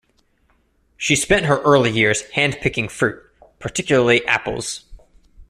She spent her early years handpicking fruit, particularly apples.